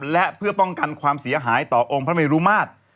และเพื่อป้องกันความเสียหายต่อองค์พระเมรุมาตร